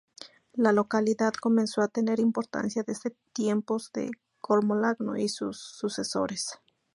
La localidad comenzó a tener importancia desde tiempos de Carlomagno y sus sucesores.